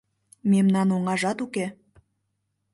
Мемнан оҥажат уке.